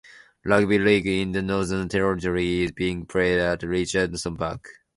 Rugby League in the Northern Territory is being played at Richardson Park.